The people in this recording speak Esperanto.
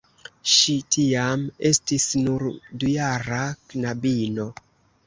Ŝi tiam estis nur dujara knabino.